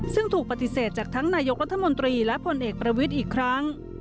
ซึ่งถูกปฏิเสธจากทั้งนายกรัฐมนตรีและผลเอกประวิทย์อีกครั้ง